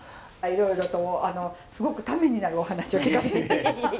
いろいろとすごくためになるお話を聞かせていただき。